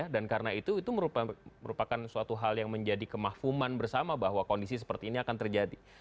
karena itu merupakan suatu hal yang menjadi kemahuman bersama bahwa kondisi seperti ini akan terjadi